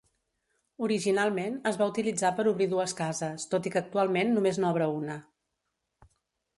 Originalment, es va utilitzar per obrir dues cases, tot i que actualment només n'obre una.